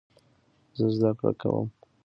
زه زده کړې کوم.